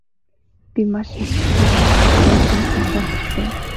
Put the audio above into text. Би маш их сэтгэл зовж энд ганцаардаж байна.